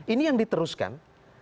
ini yang diteruskan